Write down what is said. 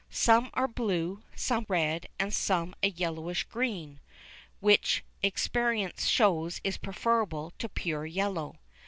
Some are blue, some red, and some a yellowish green, which experience shows is preferable to pure yellow.